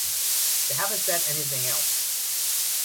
They haven’t said anything else.